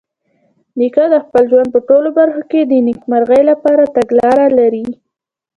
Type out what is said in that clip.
نیکه د خپل ژوند په ټولو برخو کې د نیکمرغۍ لپاره تګلاره لري.